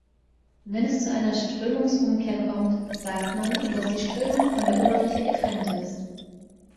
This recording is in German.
Wenn es zu einer Strömungsumkehr kommt, sagt man, dass die Strömung von der Oberfläche getrennt ist.